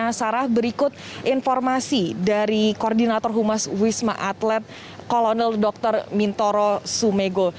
nah sarah berikut informasi dari koordinator humas wisma atlet kolonel dr mintoro sumego